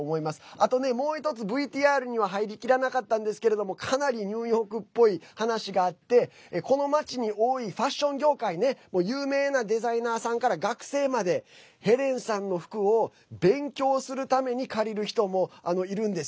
あとね、もう１つ、ＶＴＲには入りきらなかったんですけれどもかなりニューヨークっぽい話があってこの街に多いファッション業界ね有名なデザイナーさんから学生までヘレンさんの服を勉強するために借りる人もいるんです。